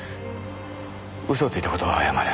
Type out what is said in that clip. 嘘をついた事は謝る。